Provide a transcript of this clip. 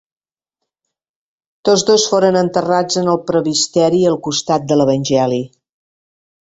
Tots dos foren enterrats en el presbiteri al costat de l'evangeli.